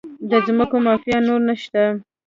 د ځمکو مافیا نور نشته؟